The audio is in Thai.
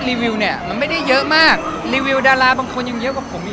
รีวิวเนี่ยมันไม่ได้เยอะมากรีวิวดาราบางคนยังเยอะกว่าผมอีก